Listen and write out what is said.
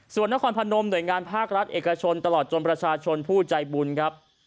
ส่วนนครพนมหน่วยงานภาครัฐเอกชนตลอดจนประชาชนผู้ใจบุญครับ